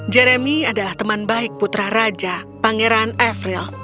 jeremy adalah teman baik putra raja pangeran evril